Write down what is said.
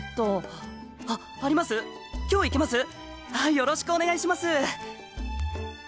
よろしくお願いしますっ！